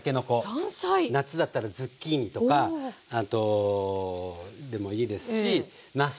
夏だったらズッキーニとかでもいいですしなす。